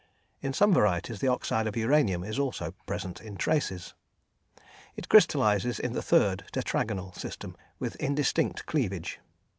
In some varieties the oxide of uranium is also present in traces. It crystallises in the 3rd (tetragonal) system, with indistinct cleavage.